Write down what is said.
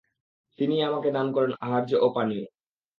তিনিই আমাকে দান করেন আহার্য ও পানীয়।